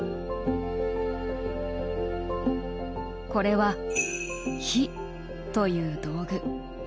これは「杼」という道具。